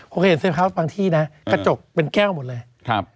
โอเคเห็นเซฟคัสบางที่นะกระจกเป็นแก้วหมดเลยครับ